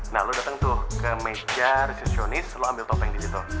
nah lo dateng tuh ke meja resepionis lo ambil topeng disitu